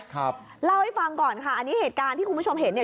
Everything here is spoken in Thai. ครับเล่าให้ฟังก่อนค่ะอันนี้เหตุการณ์ที่คุณผู้ชมเห็นเนี่ย